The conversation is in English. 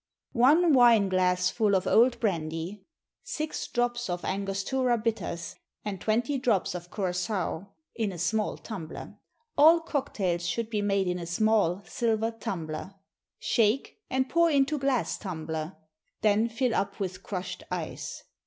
_ One wine glassful of old brandy, six drops of Angostura bitters, and twenty drops of curaçoa, in a small tumbler all cocktails should be made in a small silver tumbler shake, and pour into glass tumbler, then fill up with crushed ice.